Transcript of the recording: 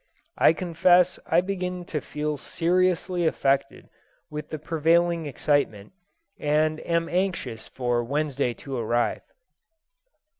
I confess I begin to feel seriously affected with the prevailing excitement, and am anxious for Wednesday to arrive.